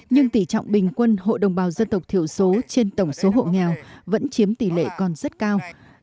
nhưng tỷ trọng bình quân hộ đồng bào dân tộc thiểu số trên tổng số hộ nghèo vẫn chiếm tỷ lệ còn rất cao năm mươi tám năm mươi ba